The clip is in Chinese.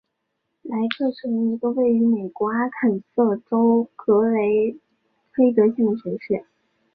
莱克城是一个位于美国阿肯色州克雷格黑德县的城市。